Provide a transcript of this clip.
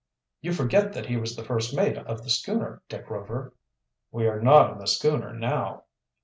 "You forget that he was the first mate of the schooner, Dick Rover." "We are not on the schooner now."